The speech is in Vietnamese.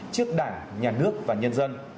trước đảng nhà nước và nhân dân